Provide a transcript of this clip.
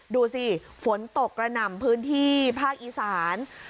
ดูสิฝนตกกระหน่ำพื้นที่ภาคอีสาน